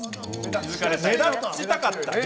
目立ちたかった。